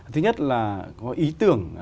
thứ nhất là có ý tưởng